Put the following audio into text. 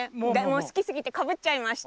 すきすぎてかぶっちゃいました。